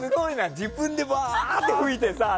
自分でわーって吹いてさ。